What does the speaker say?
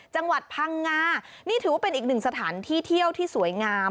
จังหวัดพังงานี่ถือว่าเป็นอีกหนึ่งสถานที่เที่ยวที่สวยงาม